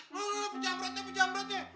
loh loh pejamretnya pejamretnya